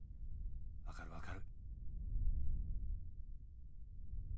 分かる分かる！